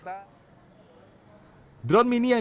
drone mini yang digunakan untuk menerbangkan drone ini